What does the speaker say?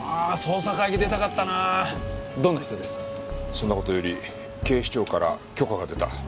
そんな事より警視庁から許可が出た。